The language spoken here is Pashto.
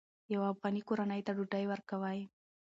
یوه افغاني کورنۍ ته ډوډۍ ورکوئ.